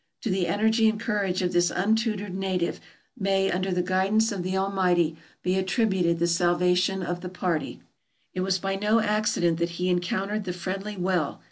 To the energy and courage of this untutored native may, under the guidance of the Almighty, be attributed the sal 428 TRAVELERS AND EXPLORERS vation of the party. It was by no accident that he encoun tered the friendly well.